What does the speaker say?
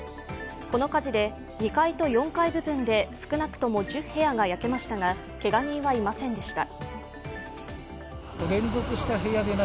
この火事で２階と４階部分で、少なくとも１０部屋が焼けましたがけが人はいませんでした。